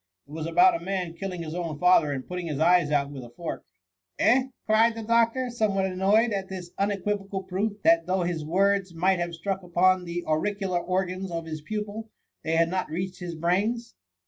It was about a man killing his own father, and putting his eyes out with a fork." " Eh !" cried the doctor, somewhat annoyed at this unequivocal proof that though his words might have struck upon the auricular organs of his pupil, they had not reached his brains.